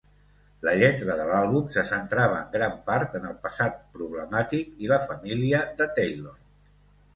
La lletra de l'àlbum se centrava en gran part en el passat problemàtic i la família de Taylor.